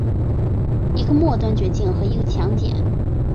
一个末端炔烃和一个强碱。